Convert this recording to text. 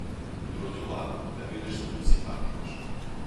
Por outro lado, abelhas são muito simpáticas.